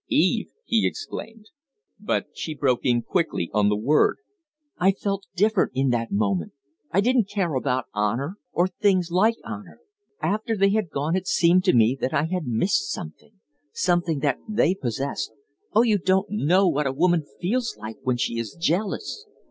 "Eve!" he exclaimed. But she broke in quickly on the word. "I felt different in that moment. I didn't care about honor or things like honor. After they had gone it seemed to me that I had missed something something that they possessed. Oh, you don't know what a woman feels when she is jealous!"